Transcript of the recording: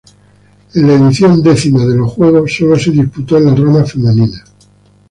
En la edición X de los Juegos, solo se disputó en la rama femenina.